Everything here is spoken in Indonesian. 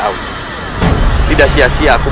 aku tidak tahu rakyat